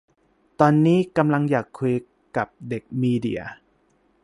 ตอนนี้ กำลังอยากคุยกับเด็กมีเดีย